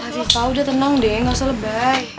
ariefah udah tenang deh nggak usah lebay